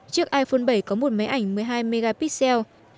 chiếc iphone bảy có một máy ảnh một mươi hai mexitel